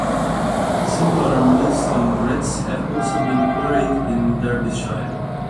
Similar Millstone Grits have also been quarried in Derbyshire.